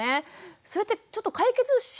それってちょっと解決しないのでは？